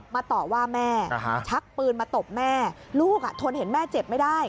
ต่อว่าแม่ชักปืนมาตบแม่ลูกทนเห็นแม่เจ็บไม่ได้